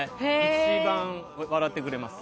一番、笑ってくれます。